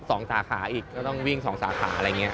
สาขาอีกก็ต้องวิ่งสองสาขาอะไรอย่างนี้